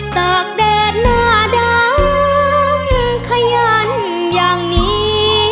ตากเดชนาดังขยันอย่างนี้